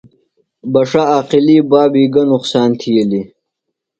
بݜہ عاقلی بابی گہ نقصان تِھیلیۡ؟